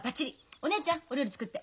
お姉ちゃんお料理作って。